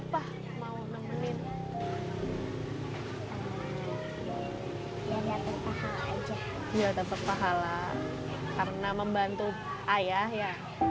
biar terserah lah karena membantu ayah ya